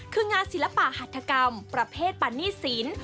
คืองานศิลปหัฒกรรมประเภทปันนี่ศิลป์